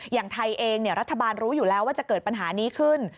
อย่างไทยเองรัฐบาลรู้อยู่แล้วว่าจะเกิดปัญหานี้ขึ้น